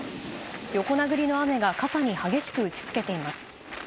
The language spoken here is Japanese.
横殴りの雨が傘に激しく打ち付けています。